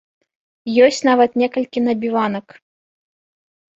Ёсць нават некалькі набіванак.